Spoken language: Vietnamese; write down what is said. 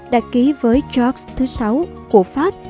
đã ký với george vi của pháp